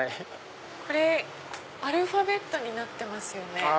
これアルファベットになってますよね？